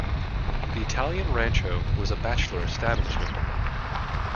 The Italian rancho was a bachelor establishment.